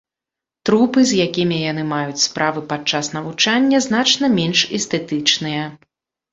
Трупы, з якімі яны маюць справы падчас навучання, значна менш эстэтычныя.